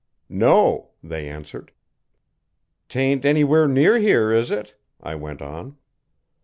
'No,' they answered. ''Tain't anywhere near here, is it?' I went on.